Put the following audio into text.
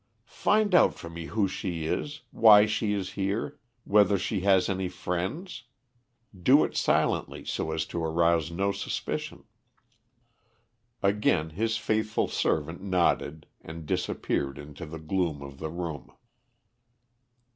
"Find out for me who she is why she is here whether she has any friends. Do it silently, so as to arouse no suspicion." Again his faithful servant nodded, and disappeared into the gloom of the room.